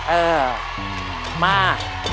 เออมา